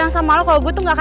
selamat reset bentuk pria aja